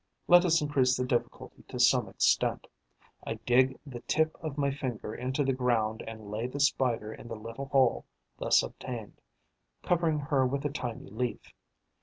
Let us increase the difficulty to some extent. I dig the tip of my finger into the ground and lay the Spider in the little hole thus obtained, covering her with a tiny leaf.